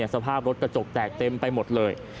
สภาพรถกระจกแตกเต็มไปหมดเลย